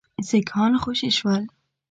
سیکهان خوشي شول.